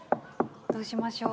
どうしましょう？